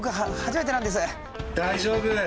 大丈夫！